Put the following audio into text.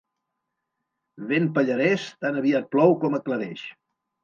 Vent pallarès, tan aviat plou com aclareix.